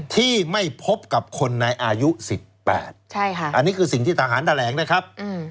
ที่ไม่พบกับคนในอายุ๑๘อันนี้คือสิ่งที่ทหารแถลงนะครับ